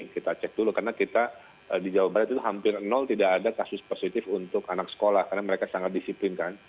kita cek dulu karena kita di jawa barat itu hampir nol tidak ada kasus positif untuk anak sekolah karena mereka sangat disiplin kan